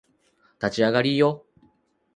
立ち上がりーよ